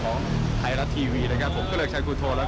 ฟินทัศน์ไทยได้เข้าล่อมที่ที่สุดครับ